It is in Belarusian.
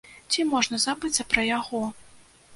Ці можна забыцца пра яго?